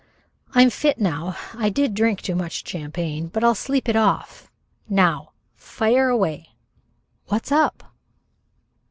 "I'm fit now. I did drink too much champagne, but I'll sleep it off. Now fire away, what's up?"